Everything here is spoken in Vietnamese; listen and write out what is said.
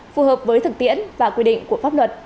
phù hợp với thực tiễn và quy định của pháp luật